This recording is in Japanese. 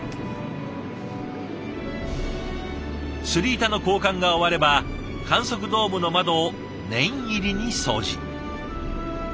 スリ板の交換が終われば観測ドームの窓を念入りに掃除。